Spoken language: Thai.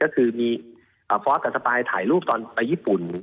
เผาะกับสปายถ่ายรูปไปญี่ปุ่น